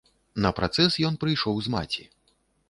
На працэс ён прыйшоў з маці.